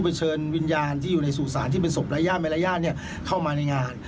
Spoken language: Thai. ไปเชิญวิญญาณที่อยู่ในสู่สารที่เป็นศพร้ายญาณไม่ร้ายญาณเนี่ยเข้ามาในงาน